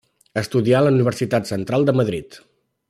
Estudià a la Universitat Central de Madrid.